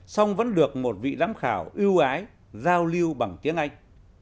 song vẫn được một vị giám khảo yêu ái giao lưu bằng tiếng anh